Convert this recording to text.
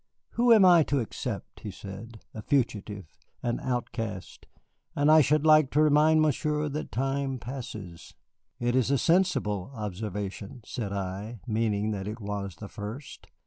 "Who am I to accept?" he said, "a fugitive, an outcast. And I should like to remind Monsieur that time passes." "It is a sensible observation," said I, meaning that it was the first.